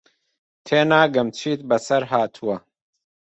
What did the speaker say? تێناگەم چیت بەسەر هاتووە.